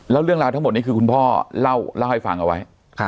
แล้วเรื่องราวทั้งหมดนี้คือคุณพ่อเล่าให้ฟังเอาไว้